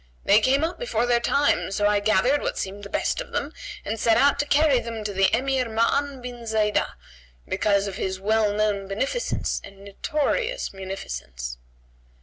[FN#137] They came up before their time, so I gathered what seemed the best of them and set out to carry them to the Emir Ma'an bin Zaidah, because of his well known beneficence and notorious munificence."